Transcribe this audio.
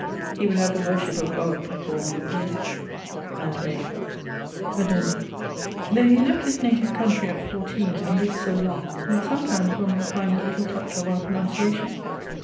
He would have the worship of God performed with musique (ad me). <_Addenda._> Though he left his native countrey at 14, and lived so long, yet sometimes one might find a little touch of our pronunciation.